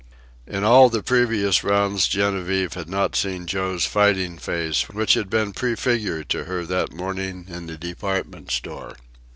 In all the previous rounds Genevieve had not seen Joe's fighting face which had been prefigured to her that morning in the department store.